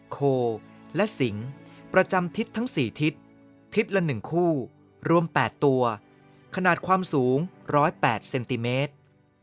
โคและสิงประจำทิศทั้ง๔ทิศทิศละ๑คู่รวม๘ตัวขนาดความสูง๑๐๘เซนติเมตร